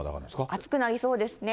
暑くなりそうなんですね。